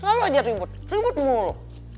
lalu aja ribut ribut mulu